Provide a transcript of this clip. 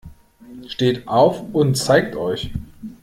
Steht auf und zeigt euch!